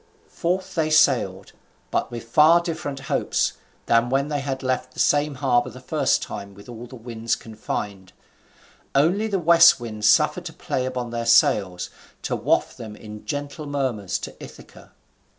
Forth they sailed, but with far different hopes than when they left the same harbour the first time with all the winds confined, only the west wind suffered to play upon their sails to waft them in gentle murmurs to Ithaca.